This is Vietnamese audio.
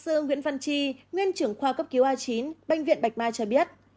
phó sư nguyễn văn tri nguyên trưởng khoa cấp cứu a chín bệnh viện bạch mai cho biết